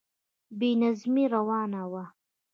بې نظمی روانه وه.